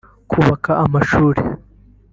kubaka amashuri